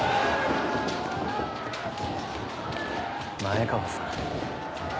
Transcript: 前川さん。